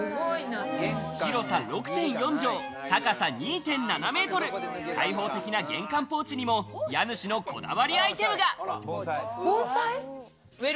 広さ６．４帖、高さ２．７ｍ、開放的な玄関ポーチにも家主のこだわりアイテムが。